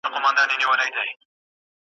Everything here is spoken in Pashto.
د ساړه ژمي په تیاره کي مرمه .